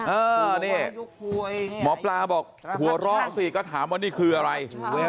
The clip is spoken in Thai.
เออนี่หมอปลาบอกหัวเราะสิก็ถามว่านี่คืออะไร